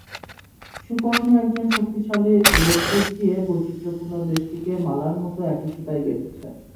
সুকর্ণ একজন শক্তিশালী রেটরিক দিয়ে বৈচিত্র্যপূর্ণ দেশটিকে মালার মতো একই সুতায় গেঁথেছেন।